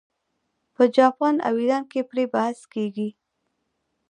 په جاپان او ایران کې پرې بحث کیږي.